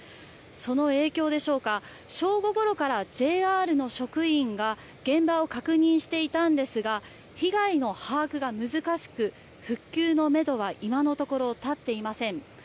その影響でしょうか正午ごろから、ＪＲの職員が現場を確認していたんですが被害の把握が難しく復旧のめどは今のところ立っていません。